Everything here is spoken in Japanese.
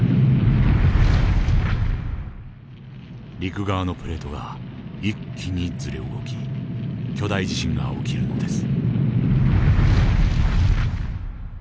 陸側のプレートが一気にずれ動き巨大地震が起きるのです。